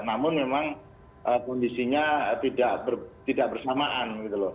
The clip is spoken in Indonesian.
namun memang kondisinya tidak bersamaan